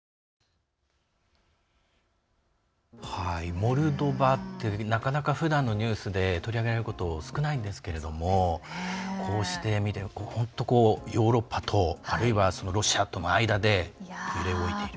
モルドバってなかなかふだんのニュースで取りあげることは少ないんですけどこうして見て本当ヨーロッパとあるいはロシアとの間で揺れ動いている。